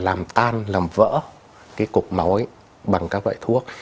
làm tan làm vỡ cái cục máu bằng các loại thuốc